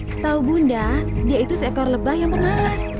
setau bunda dia itu seekor lebah yang memanas